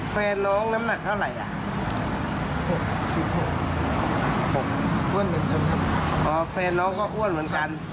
อ๋อเฟนน้องก็อ้วนเหมือนกัน